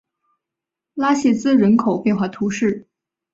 拉谢兹人口变化图示